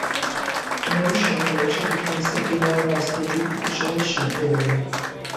The notion later became simply known as the recapitulation theory.